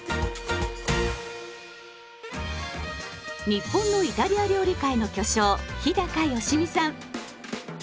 日本のイタリア料理界の巨匠日良実さん。